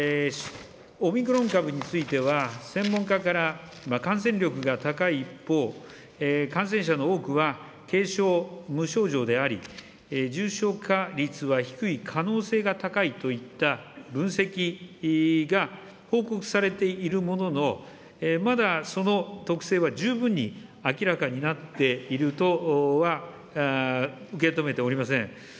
オミクロン株については、専門家から、感染力が高い一方、感染者の多くは、軽症、無症状であり、重症化率は低い可能性が高いといった分析が報告されているものの、まだその特性は十分に明らかになっているとは受け止めておりません。